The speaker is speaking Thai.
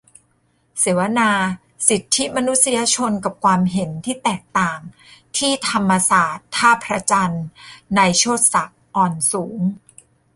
เสวนา "สิทธิมนุษยชนกับความเห็นที่แตกต่าง" ที่ธรรมศาสตร์ ท่าพระจันทร์ - นายโชติศักดิ์ อ่อนสูง